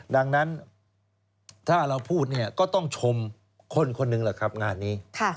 ดังนั้นถ้าเราพูดเนี่ยก็ต้องชมคนคนหนึ่งแหละครับงานนี้